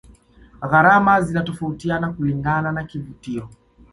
gharama zinatofautiana kulingana na kivutio